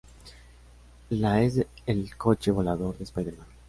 La es el coche volador de Spider-Man.